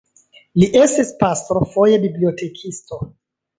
Li estis pastro, foje bibliotekisto.